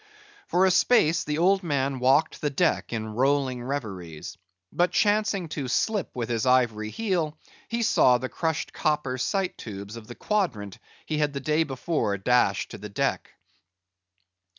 For a space the old man walked the deck in rolling reveries. But chancing to slip with his ivory heel, he saw the crushed copper sight tubes of the quadrant he had the day before dashed to the deck.